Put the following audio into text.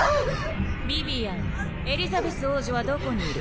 ビビアンエリザベス王女はどこにいる？